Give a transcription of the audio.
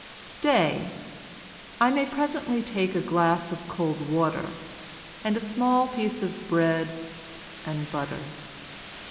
"Stay—I may presently take a glass of cold water—and a small piece of bread and butter."